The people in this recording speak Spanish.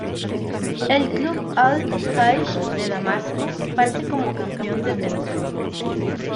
El club Al-Jaish de Damasco, parte como campeón defensor.